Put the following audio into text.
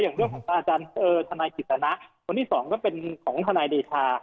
เรื่องของอาจารย์ทนายกิจสนะคนที่สองก็เป็นของทนายเดชา